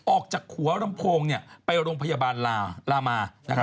ออกจากหัวลำโพงไปโรงพยาบาลลามา